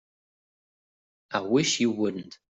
I wish you wouldn't.